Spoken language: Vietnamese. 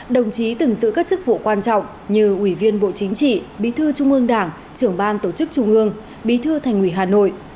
đồng chí từng giữ các chức vụ quan trọng như ủy viên bộ chính trị bí thư trung ương đảng trưởng ban tổ chức trung ương bí thư thành ủy hà nội